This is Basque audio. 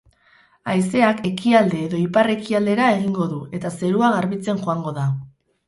Haizeak ekialde edo ipar-ekialdera egingo du eta zerua garbitzen joango da.